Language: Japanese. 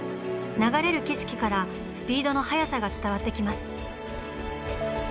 流れる景色からスピードの速さが伝わってきます。